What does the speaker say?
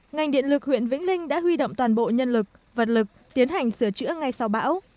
ngành điện lực huyện vĩnh linh đã huy động toàn bộ nhân lực vật lực tiến hành sửa chữa ngay sau bão